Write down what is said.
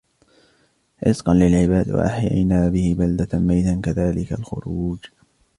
رِزْقًا لِلْعِبَادِ وَأَحْيَيْنَا بِهِ بَلْدَةً مَيْتًا كَذَلِكَ الْخُرُوجُ